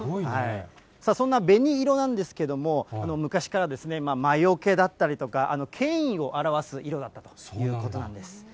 そんなべに色なんですけれども、昔から魔よけだったりとか、権威を表す色だったということなんです。